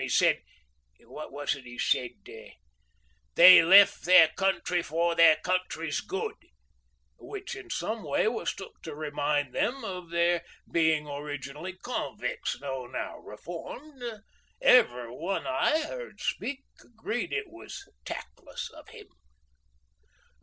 'E said—what was it 'e said—'They lef' their country for their country's good,'—which in some way was took to remind them of their being originally convic's, though now reformed. Every one I 'eard speak, agreed it was takless of 'im."